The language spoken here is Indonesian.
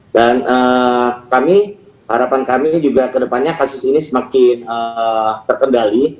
dan kami harapan kami juga ke depannya kasus ini semakin terkendali